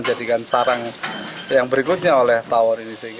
menjadikan sarang yang berikutnya oleh tawon ini